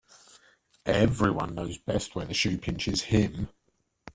Every one knows best where the shoe pinches him.